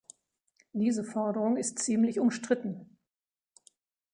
Diese Forderung ist ziemlich umstritten.